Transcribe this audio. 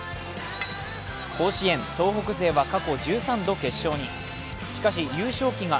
甲子園東北勢は過去１３度決勝に挑戦。